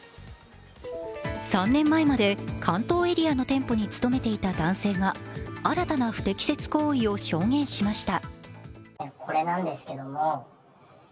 ３年前まで関東エリアの店舗に勤めていた男性が新たな不適切行為を証言しました。